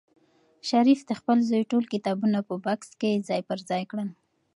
شریف د خپل زوی ټول کتابونه په بکس کې ځای پر ځای کړل.